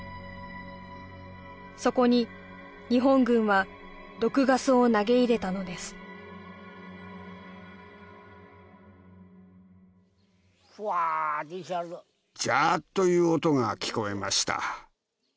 そこに日本軍は毒ガスを投げ入れたのですジャーッという音が聞こえました